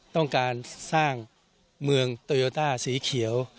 ต้องการสร้างเมืองโตโยต้าสีเขียว